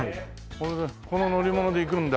この乗り物で行くんだ？